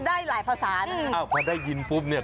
ได้หลายภาษานะครับอ้าวพอได้ยินปุ๊บ